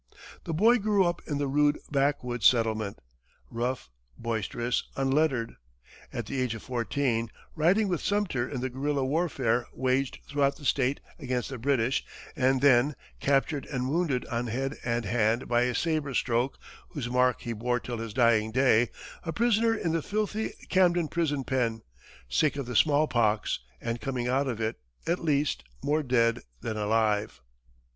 The boy grew up in the rude backwoods settlement, rough, boisterous, unlettered; at the age of fourteen, riding with Sumter in the guerrilla warfare waged throughout the state against the British, and then, captured and wounded on head and hand by a sabre stroke whose mark he bore till his dying day, a prisoner in the filthy Camden prison pen, sick of the small pox, and coming out of it, at last, more dead than alive.